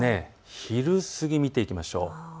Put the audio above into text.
昼過ぎ、見ていきましょう。